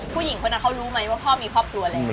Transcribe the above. ผู้หญิงคนนั้นเขารู้มั้ยว่าพ่อมีความตัวอะไร